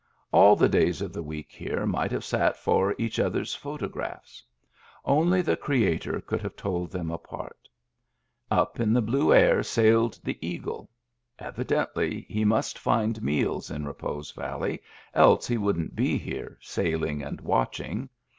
All the days of the week here might have sat for each other's photographs. Only the Creator could have told them apart. Up in the blue air sailed the eagle. Evidently he must find meals in Repose Valley, else he wouldn't be here, sailing and watching.